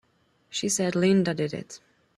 She said Linda did it!